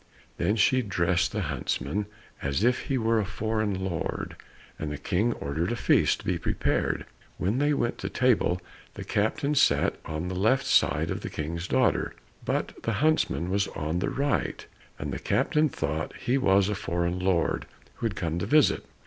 Then she dressed the huntsman as if he were a foreign lord, and the King ordered a feast to be prepared. When they went to table, the captain sat on the left side of the King's daughter, but the huntsman was on the right, and the captain thought he was a foreign lord who had come on a visit.